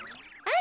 あ。